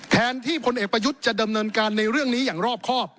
แทนที่พลเอกประยุทธ์จะดำเนินการในเรื่องนี้อย่างรอบครอบ